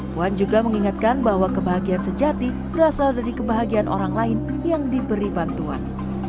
puan juga mengingatkan bahwa kebahagiaan sejati berasal dari kebahagiaan orang lain yang diberi bantuan